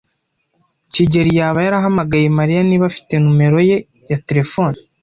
kigeli yaba yarahamagaye Mariya niba afite numero ye ya terefone.